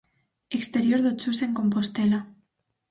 Exterior do Chus en Compostela.